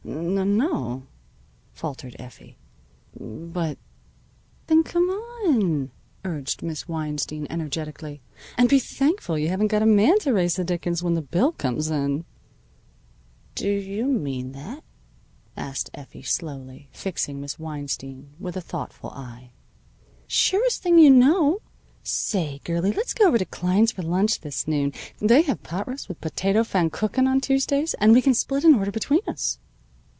"N no," faltered Effie, "but " "Then come on," urged Miss Weinstein energetically. "And be thankful you haven't got a man to raise the dickens when the bill comes in." "Do you mean that?" asked Effie slowly, fixing Miss Weinstein with a thoughtful eye. "Surest thing you know. Say, girlie, let's go over to Klein's for lunch this noon. They have pot roast with potato pfannkuchen on Tuesdays, and we can split an order between us."